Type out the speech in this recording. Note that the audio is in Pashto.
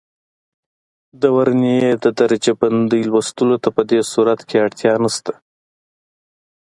د ورنیې د درجه بندۍ لوستلو ته په دې صورت کې اړتیا نه شته.